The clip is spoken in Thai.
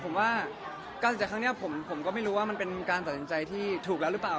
ผมว่าการตัดสินใจครั้งนี้ผมก็ไม่รู้ว่ามันเป็นการตัดสินใจที่ถูกแล้วหรือเปล่า